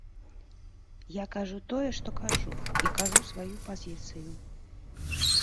Я кажу тое, што кажу, і кажу сваю пазіцыю.